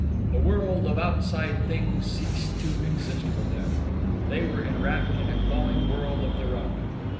The world of outside things ceased to exist for them.... They were enwrapt in a glowing world of their own!...